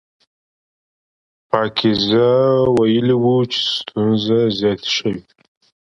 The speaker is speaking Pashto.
پاکیزه ویلي وو چې ستونزې زیاتې شوې.